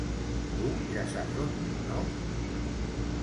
Tu ja saps on no?